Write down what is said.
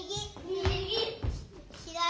みぎ。